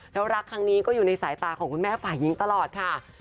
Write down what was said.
แล้วรักครั้งนี้ก็อยู่ในสายตาของคุณแม่ฝ่ายหญิงตลอดค่ะ